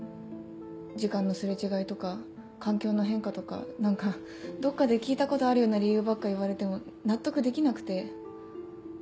時間のすれ違いとか環境の変化とか何かどっかで聞いたことあるような理由ばっか言われても納得できなくて。